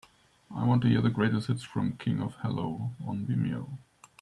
I want to hear the greatest hits from King Ov Hell on vimeo